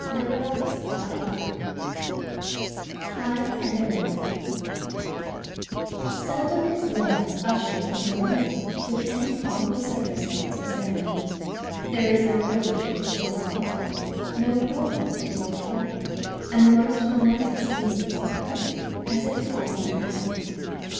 CHAPTER III HYDE AND ARENTA Seldom is Love ushered into any life with any pomp of circumstance or ceremony; there is no overture to our opera, no prologue to our play, and the most momentous meetings occur as if by mere accident.